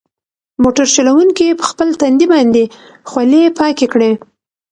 موټر چلونکي په خپل تندي باندې خولې پاکې کړې.